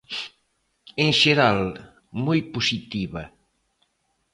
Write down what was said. En xeral, moi positiva.